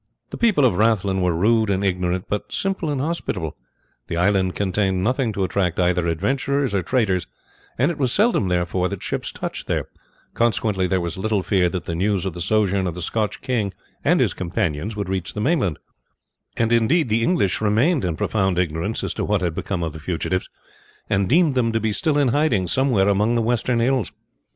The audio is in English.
The people of Rathlin were rude and ignorant, but simple and hospitable. The island contained nothing to attract either adventurers or traders, and it was seldom, therefore, that ships touched there, consequently there was little fear that the news of the sojourn of the Scotch king and his companions would reach the mainland, and indeed the English remained in profound ignorance as to what had become of the fugitives, and deemed them to be still in hiding somewhere among the western hills.